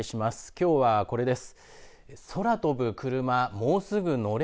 きょうはこれです。